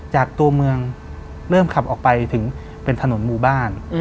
จากตัวเมืองเริ่มขับออกไปถึงเป็นถนนหมู่บ้าน